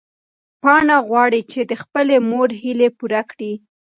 پاڼه غواړي چې د خپلې مور هیلې پوره کړي.